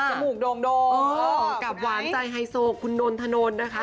จมูกโด่งคุณไอท์กับหวานใจไฮโซคคุณนลถนนนะคะ